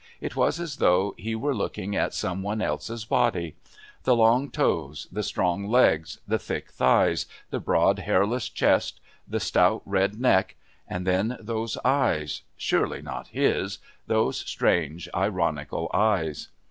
It was as though he were looking at some one else's body. The long toes, the strong legs, the thick thighs, the broad hairless chest, the stout red neck and then those eyes, surely not his, those strange ironical eyes!